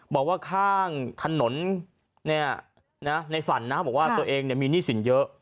บอกว่าข้างถนนในฝันนะบอกว่าตัวเองมีหนี้สินเยอะ